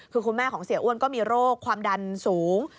คือคุณแม่ของเสียอ้วนก็มีโรคความดันสูง